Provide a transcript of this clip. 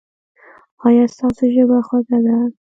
ایا ستاسو ژبه خوږه ده؟